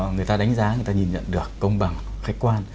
người ta đánh giá người ta nhìn nhận được công bằng khách quan